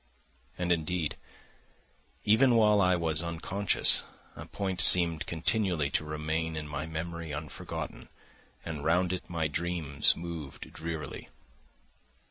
And, indeed, even while I was unconscious a point seemed continually to remain in my memory unforgotten, and round it my dreams moved drearily.